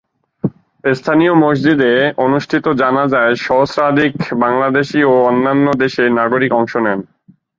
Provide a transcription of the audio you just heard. স্থানীয় মসজিদে অনুষ্ঠিত জানাজায় সহস্রাধিক বাংলাদেশি ও অন্যান্য দেশের নাগরিক অংশ নেন।